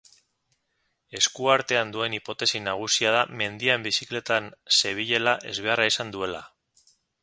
Esku-artean duen hipotesi nagusia da mendian bizikletan zebilela ezbeharra izan duela.